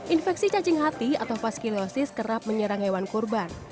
infeksi cacing hati atau faskilosis kerap menyerang hewan kurban